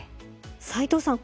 齊藤さん